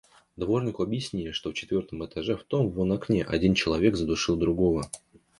Дворнику объяснили, что в четвертом этаже, в том вон окне, один человек задушил другого.